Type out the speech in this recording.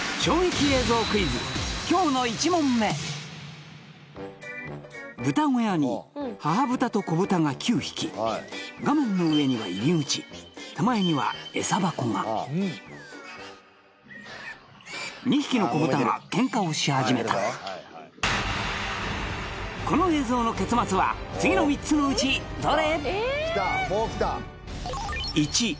今日の１問目豚小屋に母豚と子豚が９匹画面の上には入口手前にはエサ箱が２匹の子豚がケンカをし始めた次の３つのうちどれ？